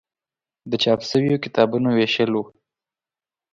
د چاپ شویو کتابونو ویشل و.